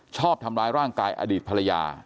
ชอบทำร้ายร่างกายอดีตภรรยา